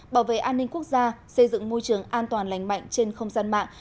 bảo vệ an ninh quốc gia xây dựng môi trường an toàn lành mạnh trên không gian mạng